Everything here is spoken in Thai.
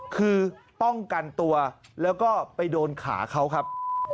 คือป้องกันตัวแล้วก็ไปโดนขาเขาครับ